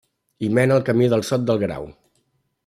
Hi mena el Camí del Sot del Grau.